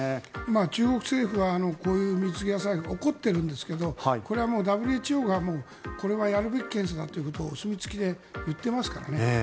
中国政府はこういう水際対策怒っているんですけどこれはＷＨＯがこれはやるべき検査だということをお墨付きで言ってますからね。